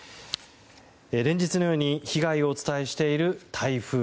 連日のように被害をお伝えしている台風。